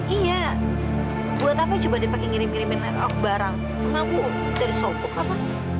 iya buat apa coba dipake ngirim ngirim barang aku jadi sopok apa